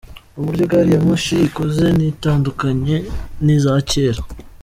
Uburyo Gari ya Moshi ikoze ntitandukanye ni za kere.